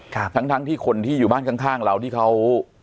ทั้งทั้งที่คนที่อยู่บ้านข้างข้างเราที่เขา